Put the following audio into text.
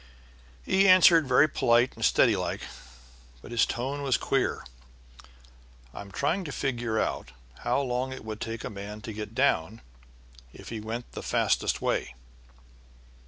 "He answered very polite and steady like, but his tone was queer: 'I'm trying to figure out how long it would take a man to get down if he went the fastest way.'